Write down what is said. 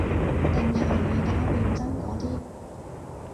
定係以假亂真嗰啲